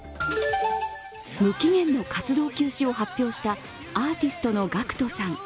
無期限の活動休止を発表したアーティストのＧＡＣＫＴさん。